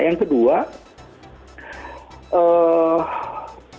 yang kedua kita harus mendorong